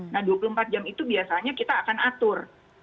nah dua puluh empat jam itu biasanya kita akan atur